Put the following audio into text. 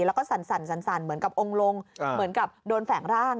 แล้วก็สั่นเหมือนกับองค์ลงเหมือนกับโดนแฝงร่าง